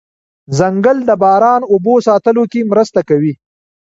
ځنګل د باران اوبو ساتلو کې مرسته کوي